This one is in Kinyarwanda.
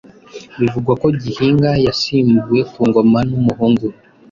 Bivugwa ko Gihanga yasimbuwe ku ngoma n’umuhungu we